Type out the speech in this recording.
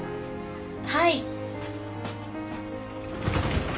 はい。